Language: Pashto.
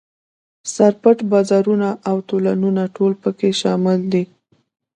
سر پټ بازارونه او تونلونه ټول په کې شامل دي.